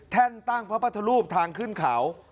แท่นตั้งพระพระทรูปทางขึ้นเขา